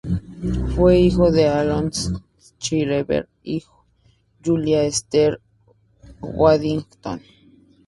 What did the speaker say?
Fue hijo de Aloys Schreiber y Julia Esther Waddington.